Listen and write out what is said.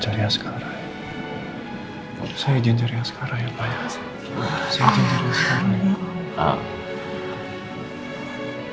cariaskar saya diinjilnya sekarang ya pak ya